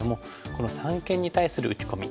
この三間に対する打ち込み。